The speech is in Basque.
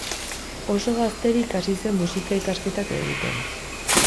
Oso gazterik hasi zen musika-ikasketak egiten.